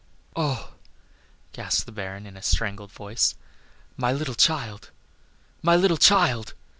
"Oh!" gasped the Baron, in a strangled voice, "my little child! my little child!"